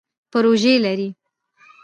پروژی لرئ؟